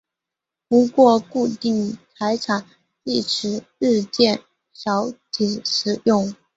不过固定财产一词日渐少使用了。